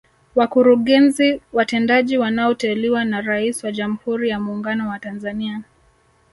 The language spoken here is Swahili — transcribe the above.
Wakurugenzi watendaji wanaoteuliwa na Rais wa Jamhuri ya Muungano wa Tanzania